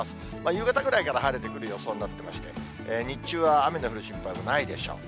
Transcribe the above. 夕方ぐらいから晴れてくる予想になってまして、日中は雨の降る心配はないでしょう。